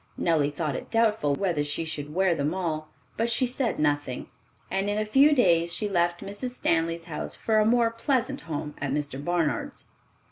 Nellie thought it doubtful whether she should wear them all; but she said nothing, and in a few days she left Mrs. Stanley's house for a more pleasant home at Mr. Barnard's.